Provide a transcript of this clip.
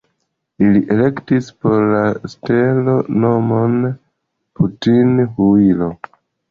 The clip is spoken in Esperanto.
Ili elektis por la stelo nomon Putin-Huilo!.